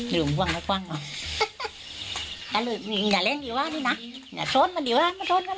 หลุมหวังไม่กว้างนะอย่าเล่นดีกว่าอย่าโชชมันดีกว่า